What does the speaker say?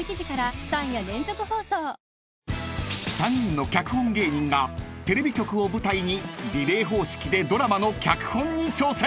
［３人の脚本芸人がテレビ局を舞台にリレー方式でドラマの脚本に挑戦！］